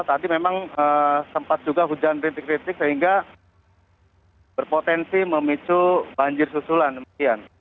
tadi memang sempat juga hujan rintik rintik sehingga berpotensi memicu banjir susulan